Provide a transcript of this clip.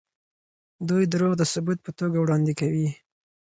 دوی دروغ د ثبوت په توګه وړاندې کوي.